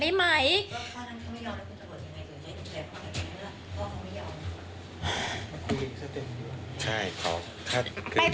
นี่นี่ไหน